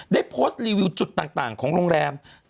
ได้โพสต์รีวิวจุดต่างของโรงแรม